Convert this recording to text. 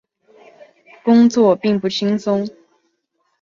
工作并不轻松